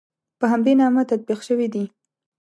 په همدې نامه تطبیق شوي دي.